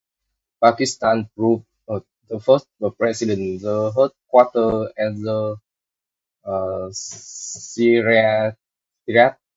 Pakistan provided the first president, the headquarters, and the secretariat.